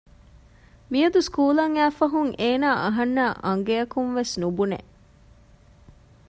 މިޔަދު ސްކޫލަށް އައިފަހުން އޭނާ އަހަންނާ އަނގައަކުން ވެސް ނުބުނެ